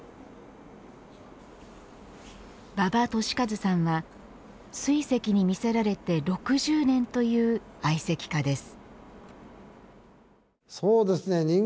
馬場利一さんは水石に魅せられて６０年という愛石家です。